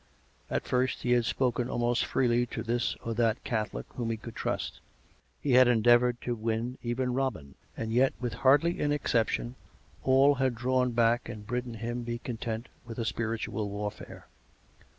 At first he had spoken almost freely to this or that Catholic whom he could trusrt; he had endeavoured to win even Robin; and yet, with hardly an exception, all had drawn back and bidden him be content with a spiritual warfare.